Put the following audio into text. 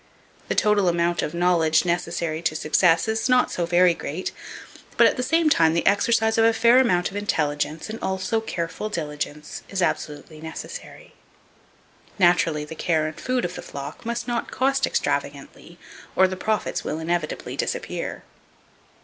The total amount of knowledge necessary to success is not so very great, but at the same time, the exercise of a fair amount of intelligence, and also careful diligence, is absolutely necessary. Naturally the care and food of the flock must not cost extravagantly, or the profits will inevitably disappear.